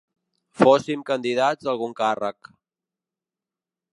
Fóssim candidats a algun càrrec.